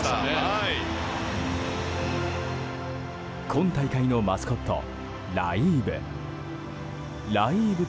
今大会のマスコットライーブ。